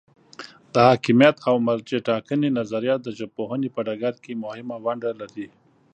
د حاکمیت او مرجع ټاکنې نظریه د ژبپوهنې په ډګر کې مهمه ونډه لري.